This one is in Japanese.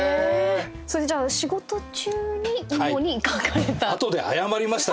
それじゃあ仕事中に主に書かれた？